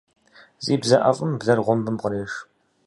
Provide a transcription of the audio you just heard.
Зи бзэ IэфIым блэр гъуэмбым къреш.